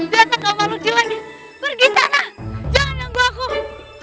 jangan takut malu cilai pergi tanah jangan nanggu aku